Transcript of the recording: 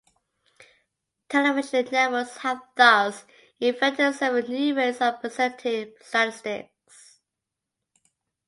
Television networks have thus invented several new ways of presenting statistics.